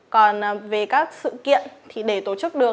còn về các sự kiện thì để tổ chức được